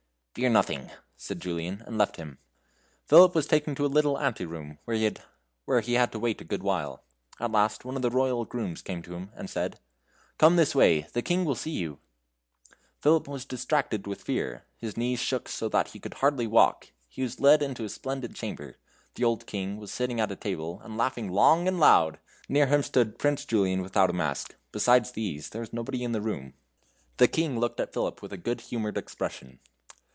"Fear nothing," said Julian, and left him. Philip was taken to a little ante room, where he had to wait a good while. At last one of the royal grooms came to him, and said: "Come this way; the King will see you." Philip was distracted with fear. His knees shook so that he could hardly walk. He was led into a splendid chamber. The old King was sitting at a table, and laughing long and load; near him stood Prince Julian without a mask. Besides these, there was nobody in the room. The King looked at Philip with a good humored expression.